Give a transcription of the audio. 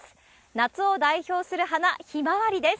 夏を代表する花、ヒマワリです。